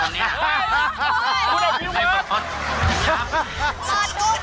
อุ๊ยคุณอภิวเวิร์ส